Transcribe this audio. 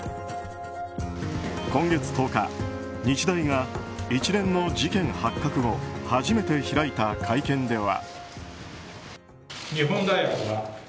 今月１０日日大が一連の事件発覚後初めて開いた会見では。